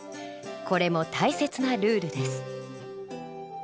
これも大切なルールです。